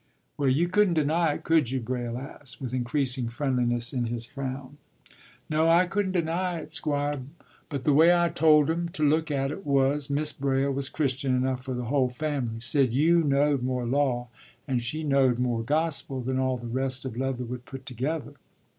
” “Well, you couldn't deny it, could you?” Braile asked, with increasing friendliness in his frown. “No, I couldn't deny it, Squire. But the way I told 'em to look at it was, Mis' Braile was Christian enough for the whole family. Said you knowed more law and she knowed more gospel than all the rest of Leatherwood put together.